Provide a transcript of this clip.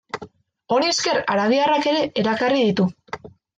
Honi esker, arabiarrak ere erakarri ditu.